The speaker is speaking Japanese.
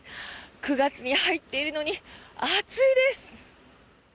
９月に入っているのに暑いです。